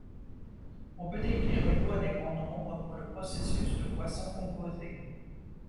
On peut écrire une Loi des grands nombres pour le processus de Poisson Composé.